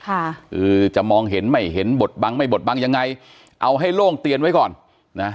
ค่ะคือจะมองเห็นไม่เห็นบทบังไม่บทบังยังไงเอาให้โล่งเตียนไว้ก่อนนะ